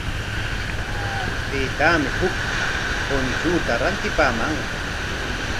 Taytaami huk punchuta rantipamanqa.